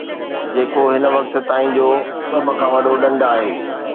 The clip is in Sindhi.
جيڪو هن وقت تائين جو سڀ کان وڏو ڏنڊ آهي